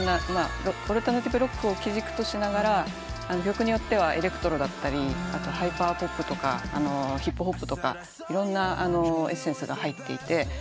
オルタナティブロックを基軸としながら曲によってはエレクトロだったりハイパーポップとかヒップホップとかいろんなエッセンスが入っていて。